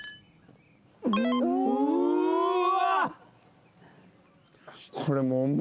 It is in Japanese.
うわ！